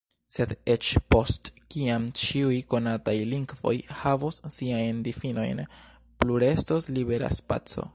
Sed eĉ post kiam ĉiuj konataj lingvoj havos siajn difinojn, plu restos libera spaco.